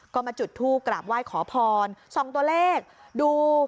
ก็มาจุดทูปกราบไหว้ขอพรส่องตัวเลขดู